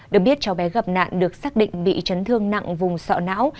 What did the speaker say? được biết cháu bé gặp nạn được xác định bị chấn thương nặng vùng sọ não